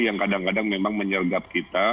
yang kadang kadang memang menyergap kita